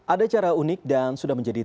ada cara unik dan sudah menjadi